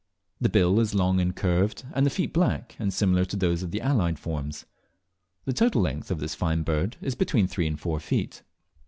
The bill is long and curved, and the feet black, and similar to those of the allied forms. The total length of this fine bird is between three and four feet.